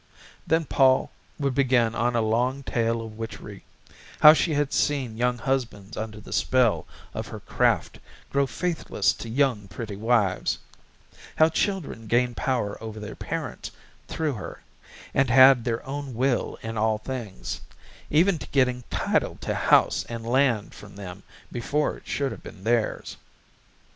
Then Pol would begin on a long tale of witchery: how she had seen young husbands under the spell of her craft grow faithless to young, pretty wives; how children gained power over their parents through her and had their own will in all things, even to getting title to house and land from them before it should have been theirs.